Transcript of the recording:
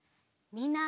みんな！